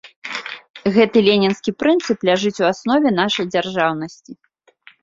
Гэты ленінскі прынцып ляжыць у аснове нашай дзяржаўнасці.